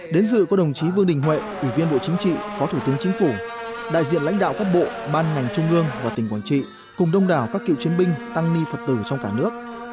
đến dự của đồng chí vương đình huệ ủy viên bộ chính trị phó thủ tướng chính phủ đại diện lãnh đạo các bộ ban ngành trung ương và tỉnh quảng trị cùng đông đảo các cựu chiến binh tăng ni phật tử trong cả nước